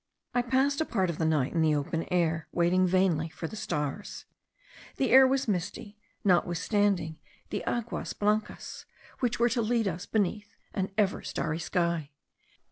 I passed a part of the night in the open air, waiting vainly for stars. The air was misty, notwithstanding the aguas blancas, which were to lead us beneath an ever starry sky.